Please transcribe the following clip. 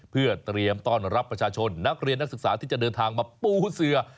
เพื่อเตรียมต้อนรับประชาชนนักเรียนนักศึกษาที่จะเดินทางมาปูเสือ